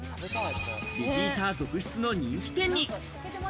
リピーター続出の人気店に。